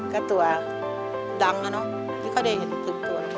ก็ตัวดังแล้วเนาะนี่ก็ได้เห็นตื่นตัว